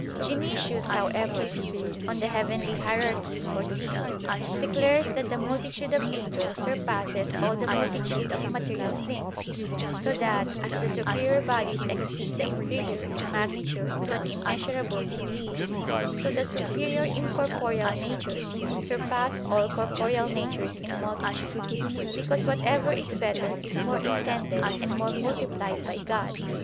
Dionysius, however, (Coel. Hier. xiv) declares that the multitude of angels surpasses all the multitude of material things; so that, as the superior bodies exceed the inferior in magnitude to an immeasurable degree, so the superior incorporeal natures surpass all corporeal natures in multitude; because whatever is better is more intended and more multiplied by God.